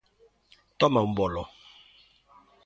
Toma un bolo.